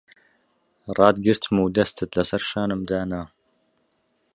ڕاتگرتم و دەستت لەسەر شانم دانا...